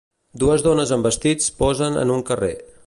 Dues dones amb vestits posen en un carrer.